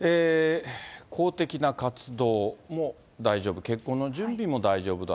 公的な活動も大丈夫、結婚の準備も大丈夫だ。